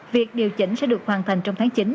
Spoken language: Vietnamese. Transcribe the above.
việc điều chỉnh sẽ được hoàn thành trong tháng chín